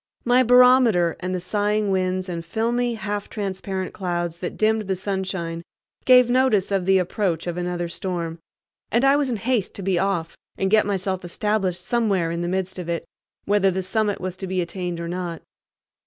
My barometer and the sighing winds and filmy half transparent clouds that dimmed the sunshine gave notice of the approach of another storm, and I was in haste to be off and get myself established somewhere in the midst of it, whether the summit was to be attained or not.